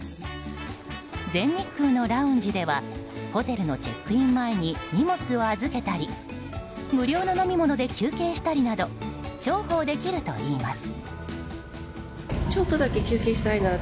全日空のラウンジではホテルのチェックイン前に荷物を預けたり無料の飲み物で休憩したりなど重宝できるといいます。